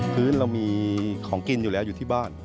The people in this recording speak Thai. พื้นเรามีของกินอยู่แล้วอยู่ที่บ้าน